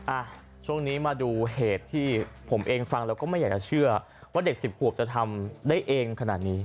อ่ะช่วงนี้มาดูเหตุที่ผมเองฟังแล้วก็ไม่อยากจะเชื่อว่าเด็กสิบขวบจะทำได้เองขนาดนี้